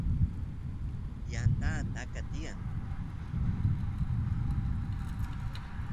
yanta taka tiyan